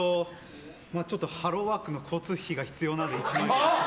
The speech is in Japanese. ちょっと、ハローワークの交通費が必要なので１万円。